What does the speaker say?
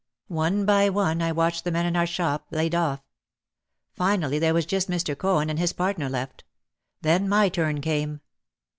One by one I watched the men in our shop laid off. Finally there was just Mr. Cohen and his partner left. Then my turn came.